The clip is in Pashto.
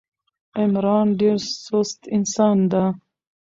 عمران ډېر سوست انسان ده.